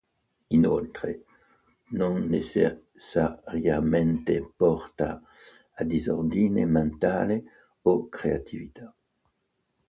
Inoltre, non necessariamente porta a disordine mentale o creatività.